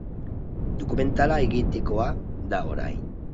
Dokumentala egitekoa da orain.